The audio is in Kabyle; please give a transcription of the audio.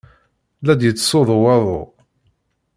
La d-yettsuḍu waḍu.